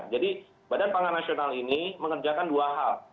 jadi badan pangan nasional ini mengerjakan dua hal